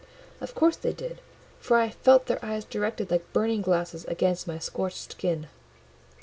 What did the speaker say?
Of course they did; for I felt their eyes directed like burning glasses against my scorched skin.